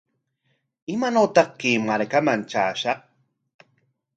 ¿Imaanawtaq chay markaman traashaq?